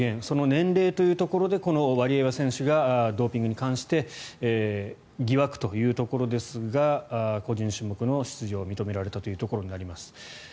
その年齢というところでこのワリエワ選手がドーピングに関して疑惑というところですが個人種目の出場は認められたということになります。